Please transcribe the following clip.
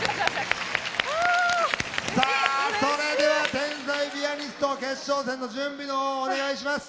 さあそれでは天才ピアニスト決勝戦の準備の方をお願いします。